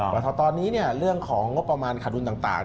ตอนนี้เรื่องของงบประมาณขาดดุลต่าง